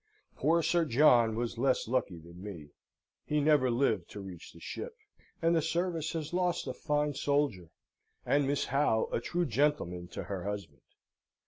Poor Sir John was less lucky than me. He never lived to reach the ship, and the service has lost a fine soldier, and Miss Howe a true gentleman to her husband.